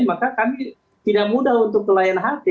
maka kami tidak mudah untuk kelain hati